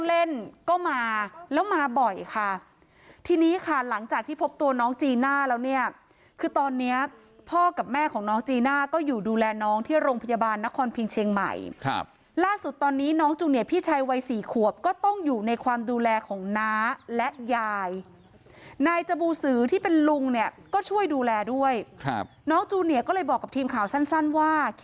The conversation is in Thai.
เล่นก็มาแล้วมาบ่อยค่ะทีนี้ค่ะหลังจากที่พบตัวน้องจีน่าแล้วเนี่ยคือตอนเนี้ยพ่อกับแม่ของน้องจีน่าก็อยู่ดูแลน้องที่โรงพยาบาลนครพิงเชียงใหม่ครับล่าสุดตอนนี้น้องจูเนียพี่ชายวัยสี่ขวบก็ต้องอยู่ในความดูแลของน้าและยายนายจบูสือที่เป็นลุงเนี่ยก็ช่วยดูแลด้วยครับน้องจูเนียก็เลยบอกกับทีมข่าวสั้นว่าค